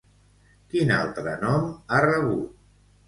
Quin altre nom ha rebut?